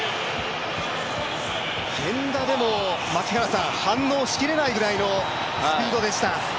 源田でも反応しきれないぐらいのスピードでした。